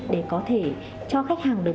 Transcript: để có thể cho khách hàng được